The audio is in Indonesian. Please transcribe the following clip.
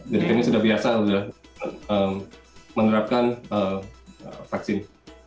jadi kami sudah biasa menerapkan vaksin